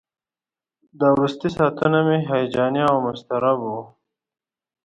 دا وروستي ساعتونه مې هیجاني او مضطرب وو.